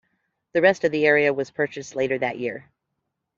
The rest of the area was purchased later that year.